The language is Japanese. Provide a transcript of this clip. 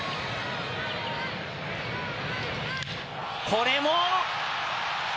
これも。